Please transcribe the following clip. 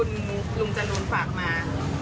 ลุงจนุนฝากมา